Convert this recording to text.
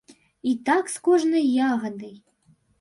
І так з кожнай ягадай.